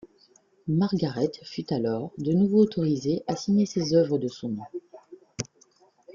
Margaret fut alors de nouveau autorisée à signer ses œuvres de son nom.